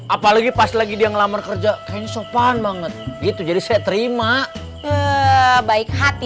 apalagi pas lagi dia ngelamar kerja kayaknya sopan banget gitu jadi saya terima baik hati